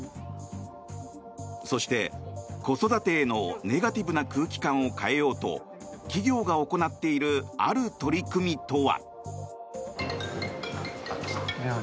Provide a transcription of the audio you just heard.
そして、子育てへのネガティブな空気感を変えようと企業が行っているある取り組みとは。